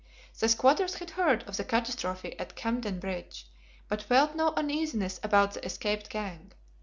The squatters had heard of the catastrophe at Camden Bridge, but felt no uneasiness about the escaped gang.